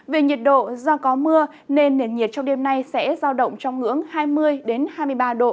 về nhiệt độ do có mưa nên nền nhiệt trong đêm nay sẽ giao động trong ngưỡng hai mươi hai mươi ba độ